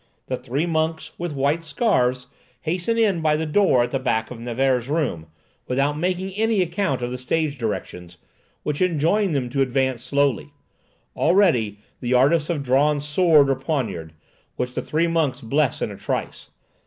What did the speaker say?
The three monks, with white scarfs, hasten in by the door at the back of Nevers's room, without making any account of the stage directions, which enjoin on them to advance slowly. Already all the artists have drawn sword or poniard, which the three monks bless in a trice.